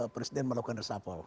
presiden melakukan resapel